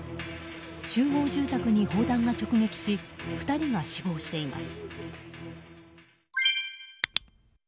集合住宅に砲弾が直撃し２人が死亡しています。